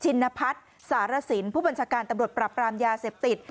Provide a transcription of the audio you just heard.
นพัฒน์สารสินผู้บัญชาการตำรวจปรับปรามยาเสพติด